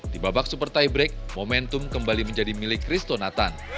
di babak super tie break momentum kembali menjadi milik christo nathan